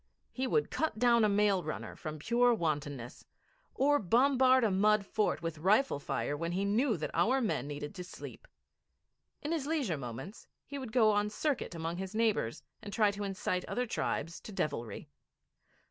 He would cut down a mail runner from pure wantonness, or bombard a mud fort with rifle fire when he knew that our men needed to sleep. In his leisure moments he would go on circuit among his neighbours, and try to incite other tribes to devilry.